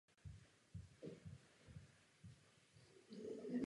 Producenty alba se stali Thom Powers a Aaron Short.